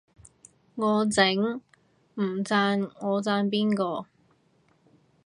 我整，唔讚我讚邊個